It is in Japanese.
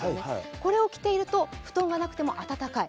これを着ていると布団がなくても暖かい。